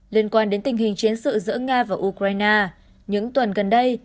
liên quan đến tình hình chiến sự giữa nga và ukraine những tuần gần đây